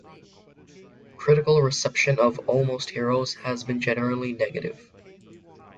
Critical reception of "Almost Heroes" has been generally negative.